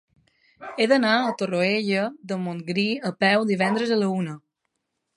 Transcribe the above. He d'anar a Torroella de Montgrí a peu divendres a la una.